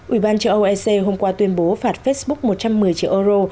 ủy ban châu âu ec hôm qua tuyên bố phạt facebook một trăm một mươi triệu euro